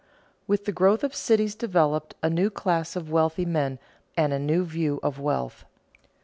_With the growth of cities developed a new class of wealthy men and a new view of wealth.